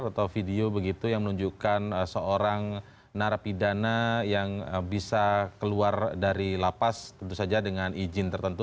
atau video begitu yang menunjukkan seorang narapidana yang bisa keluar dari lapas tentu saja dengan izin tertentu